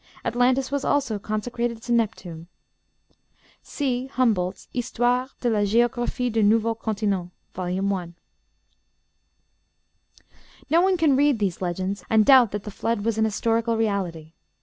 Atlantis was also consecrated to Neptune."' (See Humboldt's "Histoire de la Géographie du Nouveau Continent," vol. i.) No one can read these legends and doubt that the Flood was an historical reality.